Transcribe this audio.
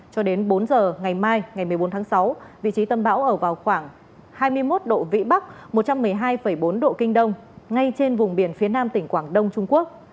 cho đến bốn giờ ngày mai ngày một mươi bốn tháng sáu vị trí tâm bão ở vào khoảng hai mươi một độ vĩ bắc một trăm một mươi hai bốn độ kinh đông ngay trên vùng biển phía nam tỉnh quảng đông trung quốc